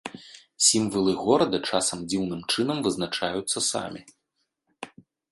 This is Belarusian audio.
Сімвалы горада часам дзіўным чынам вызначаюцца самі.